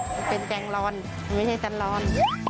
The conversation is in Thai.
มันเป็นแกงลอนไม่ใช่แกลลอน